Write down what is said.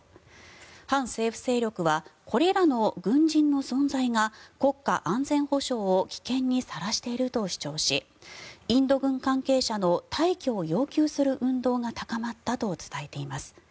反政府勢力はこれらの軍人の存在が国家安全保障を危険にさらしていると主張しインド軍関係者の退去を要求する運動が高まったと伝えています。